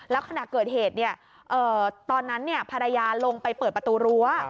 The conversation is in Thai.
แล้วขณะเกิดเหตุตอนนั้นภรรยาลงไปเปิดประตูรั้ว